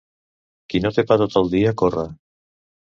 Qui no té pa tot el dia corre.